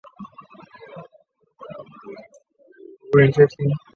它被定义为产生单位相对体积收缩所需的压强。